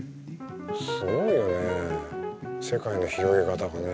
すごいよね世界の広げ方がね。